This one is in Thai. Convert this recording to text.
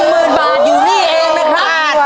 หมื่นบาทอยู่นี่เองนะครับ